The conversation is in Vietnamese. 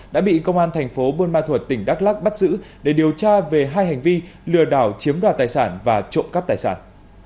đã bị công an thành phố buôn ma thuật tỉnh đắk lắc bắt giữ để điều tra về hai hành vi lừa đảo chiếm đoạt tài sản và trộm cắp tài sản